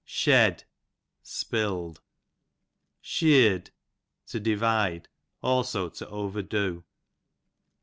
Shed, spill'd. Sheeod, to divide ; also to over do.